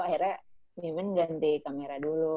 akhirnya min ganti kamera dulu